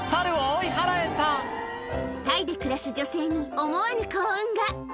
タイで暮らす女性に思わぬ幸運が。